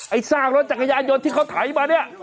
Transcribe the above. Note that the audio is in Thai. ไอ้สร้างรถจักรยายนที่เขาถ่ายมาเนี่ย